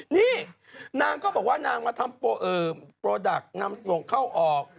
นี่นางก็บอกว่านางมาทำโปรดักต์นำส่งเข้าออก